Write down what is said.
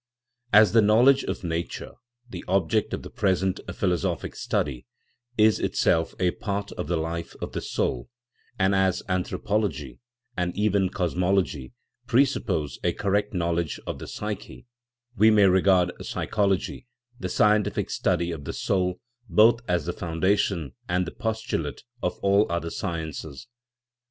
As the knowledge of nature, the object of the present philosophic study, is itself a part of the life of the soul, and as anthropology, and even cosmology, presuppose a correct knowledge of the "psyche," we may regard psychology, the scientific study of the soul, both as the foundation and the postulate of all other sciences.